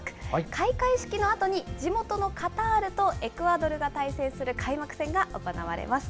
開会式のあとに地元のカタールとエクアドルが対戦する開幕戦が行われます。